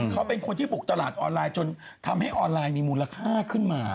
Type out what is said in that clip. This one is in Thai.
เขาเป็นคนที่บุกตลาดออนไลน์จนทำให้ออนไลน์มีมูลค่าขึ้นมา